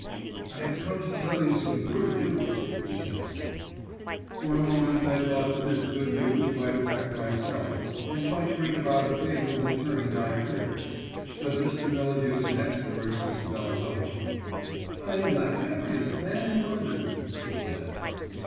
"I have come to tell you some good news," he said. For a moment I thought that this good news might affect myself, and might bring about a favourable turn in my affairs, but Mr. Melladew's next words dispelled the hope. "I am the happiest man in London," he said.